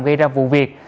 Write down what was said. gây ra vụ việc